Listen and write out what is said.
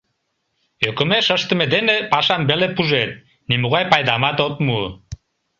Ӧкымеш ыштыме дене пашам веле пужет, нимогай пайдамат от му.